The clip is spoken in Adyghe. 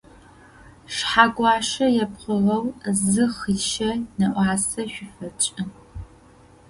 Шъхьэгуащэ епхыгъэу зы хъишъэ нэӏуасэ шъуфэтшӏын.